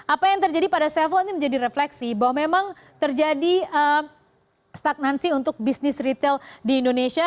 apa yang terjadi pada sevel ini menjadi refleksi bahwa memang terjadi stagnansi untuk bisnis retail di indonesia